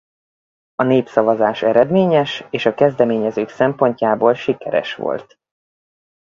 A népszavazás eredményes és a kezdeményezők szempontjából sikeres volt.